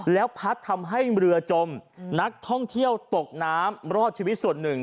แล้วพัดทำให้เรือจมนักท่องเที่ยวตกน้ำรอดชีวิตส่วนหนึ่ง